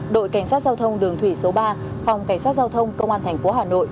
đội cảnh sát giao thông đường thủy số ba phòng cảnh sát giao thông công an thành phố hà nội